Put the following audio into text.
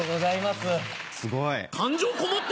すごい。